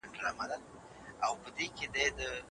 او اوس د دغه هيواد نهبېلېدونکې برخه ده.